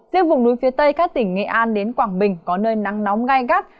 riêng vùng núi phía tây các tỉnh nghệ an đến quảng bình có nơi nắng nóng gai gắt